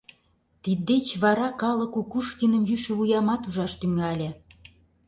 Тиддеч вара калык Кукушкиным йӱшӧ вуямат ужаш тӱҥале.